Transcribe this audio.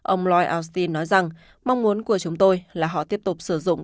ông loy austin nói rằng mong muốn của chúng tôi là họ tiếp tục sử dụng